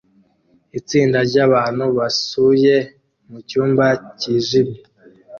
Itsinda ryabantu basuye mucyumba cyijimye